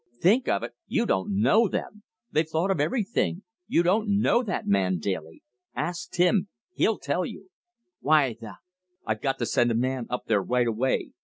"Think of it! You don't know them. They've thought of everything. You don't know that man Daly. Ask Tim, he'll tell you." "Well, the " "I've got to send a man up there right away.